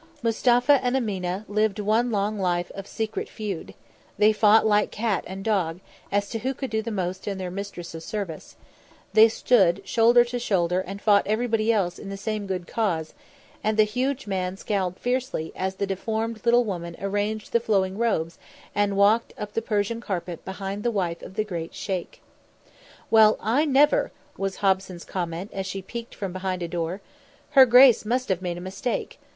Mustapha and Ameena lived one long life of secret feud; they fought like cat and dog as to who could do the most in their mistress's service; they stood shoulder to shoulder and fought everybody else in the same good cause; and the huge man scowled fiercely as the deformed little woman arranged the flowing robes and walked up the Persian carpet behind the wife of the great Sheikh. "Well, I never!" was Hobson's comment as she peeked from behind a door. "Her grace must have made a mistake.